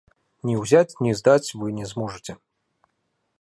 Ні ўзяць, ні здаць вы не зможаце.